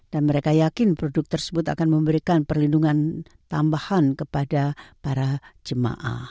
dan mereka yakin produk tersebut akan memberikan perlindungan tambahan kepada para jemaah